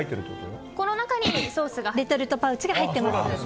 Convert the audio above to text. この中にレトルトパウチが入っています。